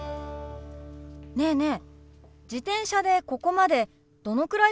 ねえねえ